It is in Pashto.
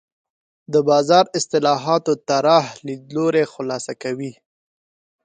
د بازار اصلاحاتو طراح لیدلوری خلاصه کوي.